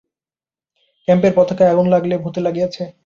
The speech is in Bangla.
ক্যাম্পের পতাকায় আগুন তাহলে ভুতে লাগিয়েছে?